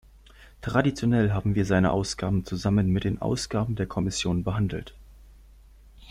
Traditionell haben wir seine Ausgaben zusammen mit den Ausgaben der Kommission behandelt.